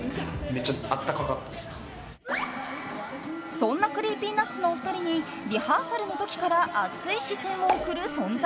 ［そんなＣｒｅｅｐｙＮｕｔｓのお二人にリハーサルのときから熱い視線を送る存在が］